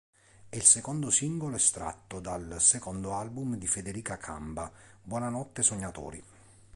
È il secondo singolo estratto dal secondo album di Federica Camba, "Buonanotte sognatori".